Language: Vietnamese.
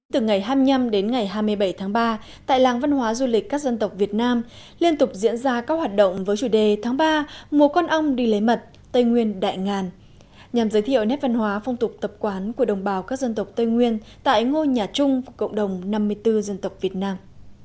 từ ngày hai mươi năm đến ngày hai mươi bảy tháng ba tại làng văn hóa du lịch các dân tộc việt nam liên tục diễn ra các hoạt động với chủ đề tháng ba mùa con ong đi lấy mật tây nguyên đại ngàn nhằm giới thiệu nét văn hóa phong tục tập quán của đồng bào các dân tộc tây nguyên tại ngôi nhà chung cộng đồng năm mươi bốn dân tộc việt nam